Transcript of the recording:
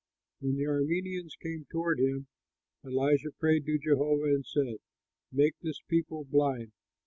When the Arameans came toward him, Elisha prayed to Jehovah, and said, "Make this people blind."